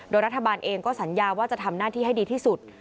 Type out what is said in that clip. โดยรัฐบาลเองก็สัญญาว่าจะทำหน้าที่ให้ดีที่สุด